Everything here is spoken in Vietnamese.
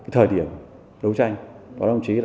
thời điểm đấu tranh